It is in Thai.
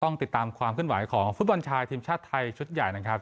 ต้องติดตามความขึ้นไหวของฟุตบอลชายทีมชาติไทยชุดใหญ่นะครับ